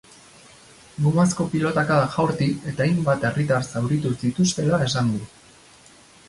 Gomazko pilotakadak jaurti eta hainbat herritar zauritu zituztela esan du.